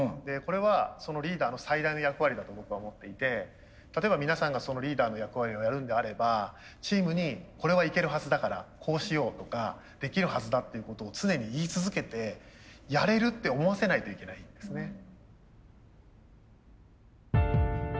これはリーダーの最大の役割だと僕は思っていて例えば皆さんがリーダーの役割をやるんであればチームに「これはいけるはずだからこうしよう」とかできるはずだっていうことを常に言い続けてやれるって思わせないといけないんですね。